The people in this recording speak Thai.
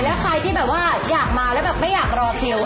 แล้วใครที่แบบว่าอยากมาแล้วแบบไม่อยากรอคิว